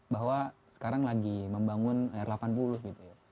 bahwa sekarang lagi membangun r delapan puluh gitu ya